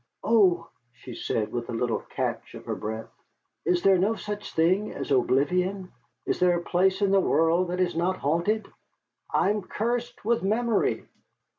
"Oh!" she said, with a little catch of her breath, "is there no such thing as oblivion? Is there a place in the world that is not haunted? I am cursed with memory."